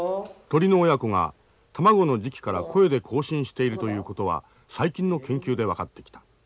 鳥の親子が卵の時期から声で交信しているということは最近の研究で分かってきた。